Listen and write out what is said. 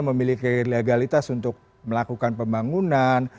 milih kelegalitas untuk melakukan pembangunan